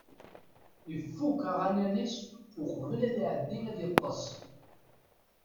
Ifukk aɣanen-is uqbel ad iɛeddi ad yeṭṭes.